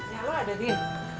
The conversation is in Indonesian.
ya lu ada din